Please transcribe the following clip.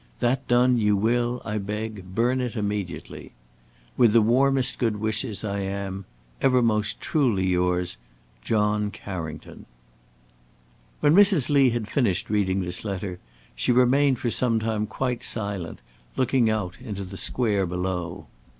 That done, you will, I beg, burn it immediately. "With the warmest good wishes, I am, "Ever most truly yours, "John Carrington." When Mrs. Lee had finished reading this letter, she remained for some time quite silent, looking out into the square below.